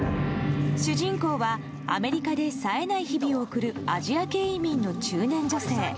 主人公はアメリカでさえない日々を送るアジア系移民の中年女性。